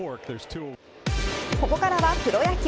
ここからはプロ野球。